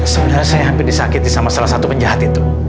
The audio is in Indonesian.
sebenarnya saya hampir disakiti sama salah satu penjahat itu